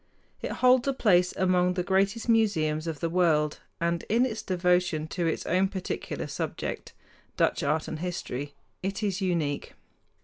It holds a place among the greatest museums of the world, and in its devotion to its own particular subject Dutch art and history it is unique.